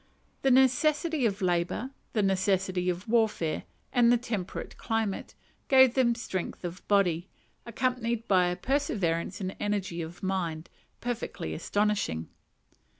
The necessity of labour, the necessity of warfare, and a temperate climate, gave them strength of body, accompanied by a perseverance and energy of mind, perfectly astonishing.